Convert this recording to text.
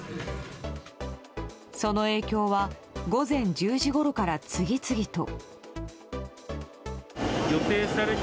その影響は午前１０時ごろから次々と。